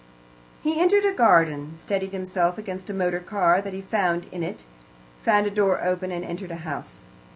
He entered a garden, steadied himself against a motor car that he found in it, found a door open and entered a house.